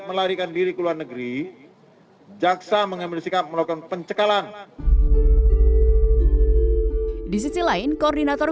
melarikan diri ke luar negeri jaksa mengambil sikap melakukan pencekalan di sisi lain koordinator